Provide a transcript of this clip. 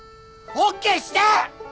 ＯＫして！